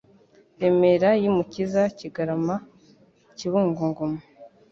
Remera y' i Mukiza Kigarama Kibungo Ngoma